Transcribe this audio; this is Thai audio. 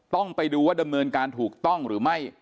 ต้องไปดูว่าดำเนินการถูกต้องหรือไม่